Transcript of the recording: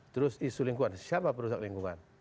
terus isu lingkungan siapa perusahaan lingkungan